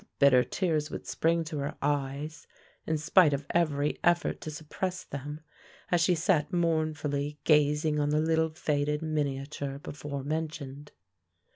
The bitter tears would spring to her eyes, in spite of every effort to suppress them, as she sat mournfully gazing on the little faded miniature before mentioned.